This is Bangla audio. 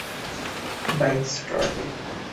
Bike start they.